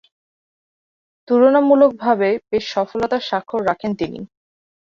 তুলনামূলকভাবে বেশ সফলতার স্বাক্ষর রাখেন তিনি।